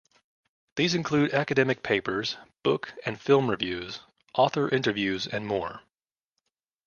These include academic papers, book and film reviews, author interviews and more.